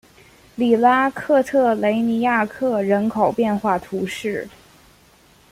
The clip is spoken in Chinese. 里拉克特雷尼亚克人口变化图示